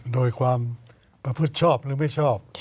โดยความประพฤติชอบหรือไม่ชอบ